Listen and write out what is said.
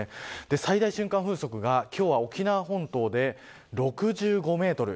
最大瞬間風速が沖縄本島で６５メートル。